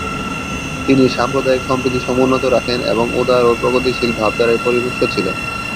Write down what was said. তিনি সাম্প্রদায়িক সম্প্রীতি সমুন্নত রাখেন এবং উদার ও প্রগতিশীল ভাবধারায় পরিপুষ্ট ছিলেন।